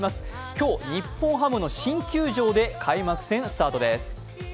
今日、日本ハムの新球場で開幕戦スタートです。